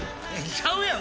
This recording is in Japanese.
ちゃうやん！